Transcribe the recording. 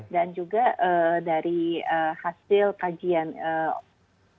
dan juga dari hasil kajian badan pom